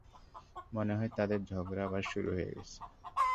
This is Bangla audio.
মনে হয় তাদের ঝগড়া আবার শুরু হয়ে গেছে।